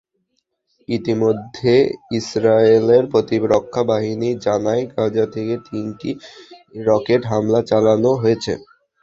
ইতিমধ্যে ইসরায়েলের প্রতিরক্ষা বাহিনী জানায়, গাজা থেকে তিনটি রকেট হামলা চালানো হয়েছে।